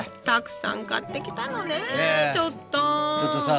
たくさん買ってきたのねちょっと。